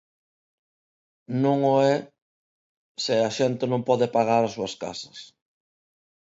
Non o é se a xente non pode pagar as súas casas.